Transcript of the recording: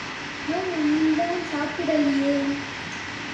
இன்னும் ஒன்னுமே சாப்பிடலியே!